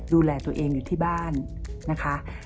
ดูแลตัวเองอยู่ที่บ้านนะคะ